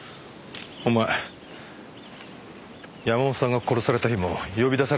お前山本さんが殺された日も呼び出されたんじゃないのか？